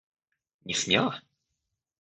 Не смела?